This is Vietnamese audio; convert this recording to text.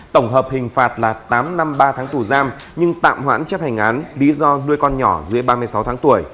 tổng hợp hình phạt là tám năm ba tháng tù giam nhưng tạm hoãn chấp hành án bí do nuôi con nhỏ dưới ba mươi sáu tháng tuổi